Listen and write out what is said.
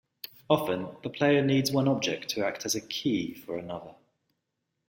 Often, the player needs one object to act as a "key" for another.